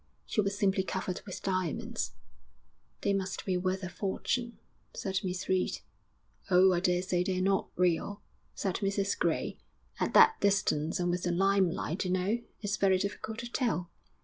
'She was simply covered with diamonds.' 'They must be worth a fortune,' said Miss Reed. 'Oh, I daresay they're not real,' said Mrs Gray; 'at that distance and with the lime light, you know, it's very difficult to tell.'